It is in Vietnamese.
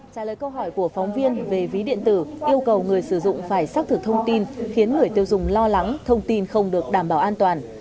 trả lời câu hỏi của phóng viên về ví điện tử yêu cầu người sử dụng phải xác thực thông tin khiến người tiêu dùng lo lắng thông tin không được đảm bảo an toàn